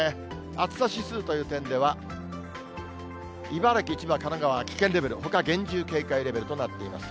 暑さ指数という点では、茨城、千葉、神奈川は危険レベル、ほか厳重警戒レベルとなっています。